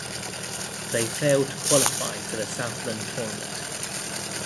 They failed to qualify for the Southland Tournament.